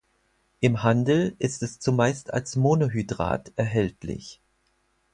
Im Handel ist es zumeist als Monohydrat erhältlich.